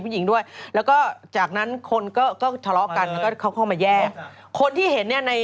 เปิดซ้ำเพลงเพลงงูงู